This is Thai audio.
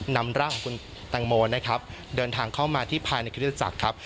นำร่างของคุณแตงโมนะครับเดินทางเข้ามาที่ภายในคริสตจักรครับ